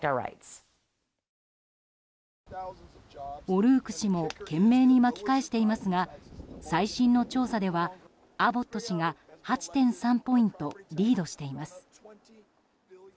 オルーク氏も懸命に巻き返していますが最新の調査ではアボット氏が８．３ポイントリードしています。